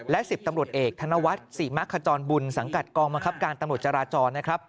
และ๑๐ตำรวจเอกธนวัฒน์ศรีมะขจรบุญสังกัดกองบังคับการตำรวจจราจรนะครับ